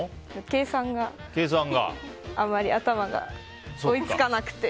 計算があまり頭が追い付かなくて。